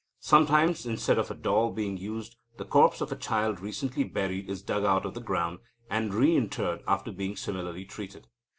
Sometimes, instead of a doll being used, the corpse of a child recently buried is dug out of the ground, and re interred after being similarly treated.